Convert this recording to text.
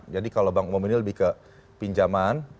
jadi kalau bank umum ini lebih ke pinjaman